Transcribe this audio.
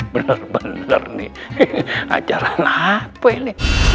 bener bener nih acara apa ini